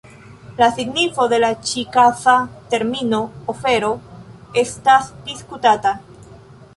La signifo de la ĉi-kaza termino "ofero" estas diskutata.